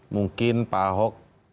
mungkin pak ahok bisa mencari